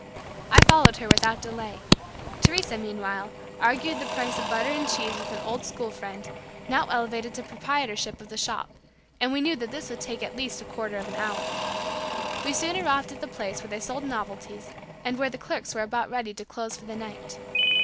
I followed her without delay. Teresa, meanwhile, argued the price of butter and cheese with an old school friend, now elevated to proprietorship of the shop, and we knew that this would take at least a quarter of an hour. We soon arrived at a place where they sold novelties, and where the clerks were about ready to close for the night.